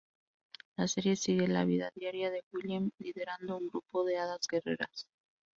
La serie sigue la vida diaria de Willem liderando un grupo de hadas guerreras.